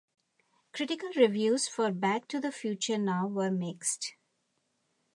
Critical reviews for "Back to the Future Now" were mixed.